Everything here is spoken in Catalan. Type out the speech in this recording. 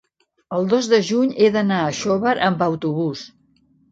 El dos de juny he d'anar a Xóvar amb autobús.